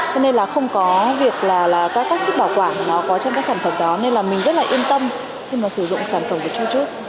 cho nên là không có việc là các chiếc bảo quản nó có trong các sản phẩm đó nên là mình rất là yên tâm khi mà sử dụng sản phẩm của twitube